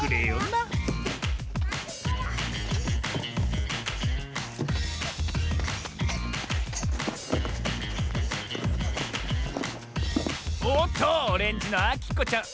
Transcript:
なおっとオレンジのあきこちゃん